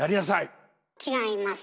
違います。